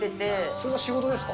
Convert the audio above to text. それは仕事ですか？